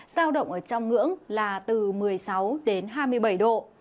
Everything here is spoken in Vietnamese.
giao động ở trong ngưỡng là từ một mươi sáu đến hai mươi bảy độ